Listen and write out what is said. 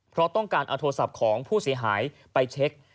เพราะต้องการเอาโทรศัพท์ของผู้เสียหายไปเช็ค